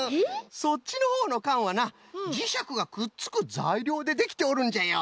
そっちのほうのかんはなじしゃくがくっつくざいりょうでできておるんじゃよ。